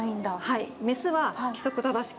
はい。